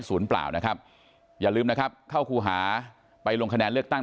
เปล่านะครับอย่าลืมนะครับเข้าครูหาไปลงคะแนนเลือกตั้ง